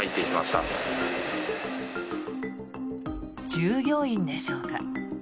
従業員でしょうか。